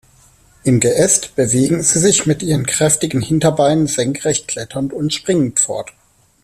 Im Geäst bewegen sie sich mit ihren kräftigen Hinterbeinen senkrecht kletternd und springend fort.